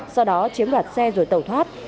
sau đó chiếm đoạt xe rồi tẩu thoát